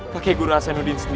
kakek gue rasa nudih